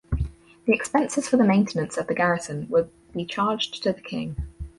The expenses for the maintenance of the garrison were be charged to the King.